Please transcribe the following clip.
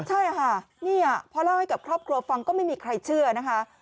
ใช่ค่ะนี่พอเล่าให้กับครอบครัวฟังก็ไม่มีใครเชื่อนะคะ